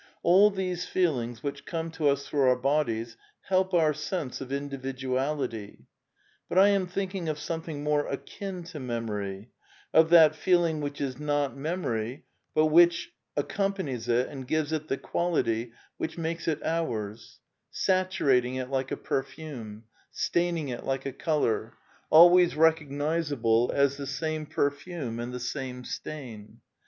All these feelings which come to us through our bodies help our sense of individu ality. But I am thinking of something more akin to memory, of that feeling which is not memory but which r< 68 A DEFENCE OF IDEALISM accompanies it and gives it the quality which makes it ] ouTBf saturating it like a perfume, staining it like a colour, I always recognizable as tiie same perfume and the same ( stain.